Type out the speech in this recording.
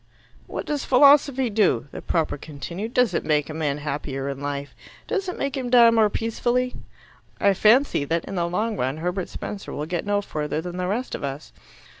"What does philosophy do?" the propper continued. "Does it make a man happier in life? Does it make him die more peacefully? I fancy that in the long run Herbert Spencer will get no further than the rest of us.